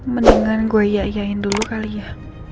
mendingan gue iya iyain dulu kali ya